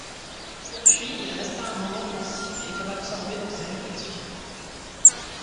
Puis il resta un moment pensif et comme absorbé dans ses réflexions.